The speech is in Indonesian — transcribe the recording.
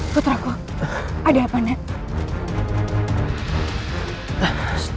keturaku ada apa net